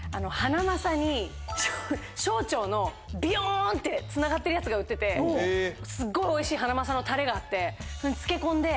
小腸のビヨンってつながってるやつが売っててすっごいおいしいハナマサのタレがあって。